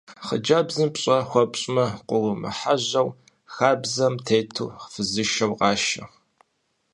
Хъыджэбзым пщӏэ хуэпщӏмэ, къыумыхьэжьэу, хабзэм тету фызышэу къашэ.